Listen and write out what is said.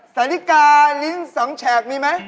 สายลิการิ้นสองแฉกมีไหม